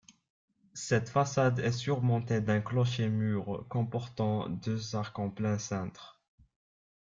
Cette façade est surmontée d'un clocher-mur comportant deux arcs en plein cintre.